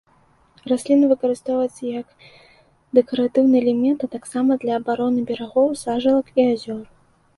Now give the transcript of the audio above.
Расліна выкарыстоўваецца як дэкаратыўны элемент, а таксама для абароны берагоў сажалак і азёр.